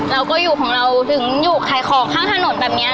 เราก็อยู่ของเราถึงอยู่ขายของข้างถนนแบบนี้